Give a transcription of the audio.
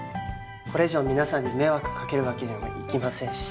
これ以上皆さんに迷惑かけるわけにもいきませんし。